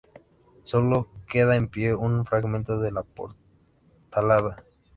Sólo queda en pie un fragmento de la portalada.